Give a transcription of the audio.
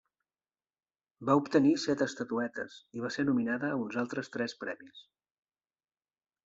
Va obtenir set estatuetes i va ser nominada a uns altres tres premis.